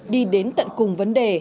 đi đến tận cùng vấn đề